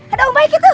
ada ombai gitu